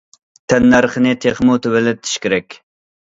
تەننەرخنى تېخىمۇ تۆۋەنلىتىش كېرەك.